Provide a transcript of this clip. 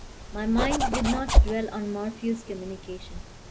My mind did not dwell on Morphew's communication.